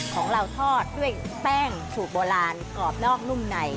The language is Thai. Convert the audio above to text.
ของเราทอดด้วยแป้งสูตรโบราณกรอบนอกนุ่มใน